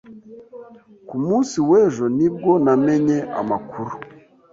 Ku munsi w'ejo ni bwo namenye amakuru.